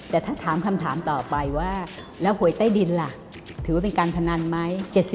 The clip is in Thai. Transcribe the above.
แต่ถ้าถามคำถามต่อไปว่าแล้วหวยใต้ดินล่ะถือว่าเป็นการพนันไหม